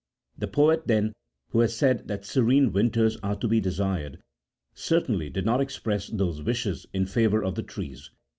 The poet20 then, who has said that serene winters are to be desired, cer tainly did not express those wishes in favour of the trees.